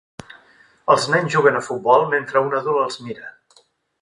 Els nens juguen a futbol, mentre un adult els mira.